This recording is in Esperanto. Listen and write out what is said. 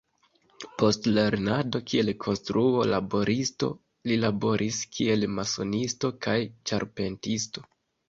Post lernado kiel konstruo-laboristo, li laboris kiel masonisto kaj ĉarpentisto.